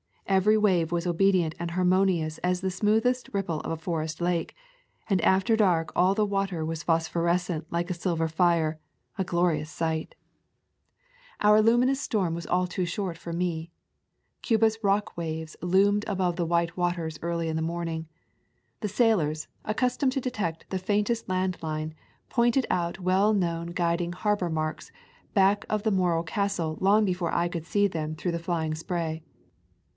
Every wave was obedient and harmonious as the smoothest ripple of a forest lake, and after dark all the water was phosphorescent like silver fire, a glorious sight. [ 146 ] Al Sojourn in Cuba Our luminous storm was all too short for me. Cuba's rock waves loomed above the white waters early in the morning. The sailors, accustomed to detect the faintest land line, pointed out well known guiding harbor marks back of the Morro Castle long before I could see them through the flying spray.